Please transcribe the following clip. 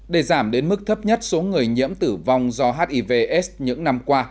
để giảm đến mức thấp nhất số người nhiễm tử vong do hiv s những năm qua